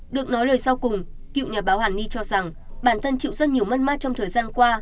được nói lời sau cùng cựu nhà báo hàn ni cho rằng bản thân chịu rất nhiều mất mát trong thời gian qua